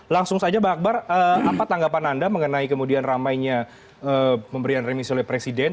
langsung saja bang akbar apa tanggapan anda mengenai kemudian ramainya pemberian remisi oleh presiden